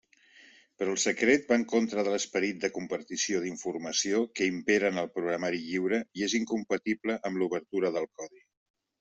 Però el secret va en contra de l'esperit de compartició d'informació que impera en el programari lliure, i és incompatible amb l'obertura del codi.